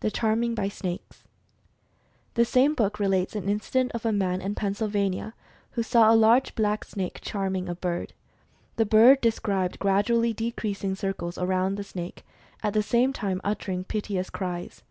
THE CHARMING BY SNAKES. The same book relates an incident of a man in Pennsylvania, who saw a large blacksnake charming a bird. The bird described gradually decreasing circles around the snake, at the same time uttering piteous cries.